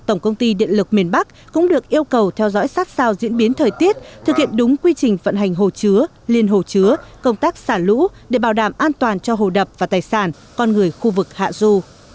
tổng công ty điện lực miền bắc cũng được yêu cầu theo dõi sát sao diễn biến thời tiết thực hiện đúng quy trình vận hành hồ chứa liên hồ chứa công tác xả lũ để bảo đảm an toàn cho hồ đập và tài sản con người khu vực hạ du